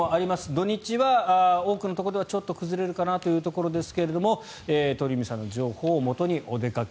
土日は多くのところではちょっと崩れるかなというところですが鳥海さんの情報をもとにお出かけ。